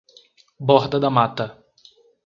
Borda da Mata